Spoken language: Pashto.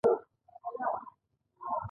ديوال نم زړوى خو انسان غم زړوى.